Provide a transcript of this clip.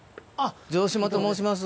城島と申します。